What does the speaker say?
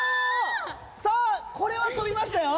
さあこれは飛びましたよ！